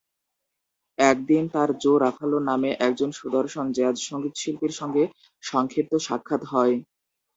একদিন, তার Joe Ruffalo নামে একজন সুদর্শন জ্যাজ সঙ্গীতশিল্পীর সঙ্গে সংক্ষিপ্ত সাক্ষাৎ হয়।